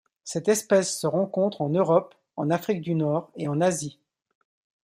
Cette espèce se rencontre en Europe, en Afrique du Nord et en Asie.